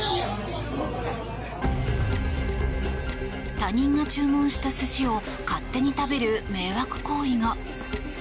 他人が注文した寿司を勝手に食べる迷惑行為が。